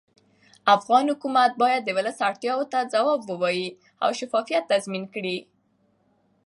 افغان حکومت باید د ولس اړتیاوو ته ځواب ووایي او شفافیت تضمین کړي